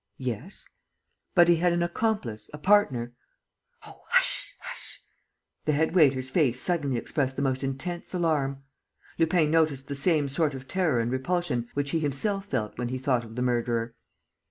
"Yes." "But he had an accomplice, a partner?" "Oh hush ... hush ...!" The head waiter's face suddenly expressed the most intense alarm. Lupin noticed the same sort of terror and repulsion which he himself felt when he thought of the murderer.